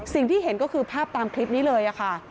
สิ่งที่เห็นก็คือภาพตามคลิปนี้เลยค่ะ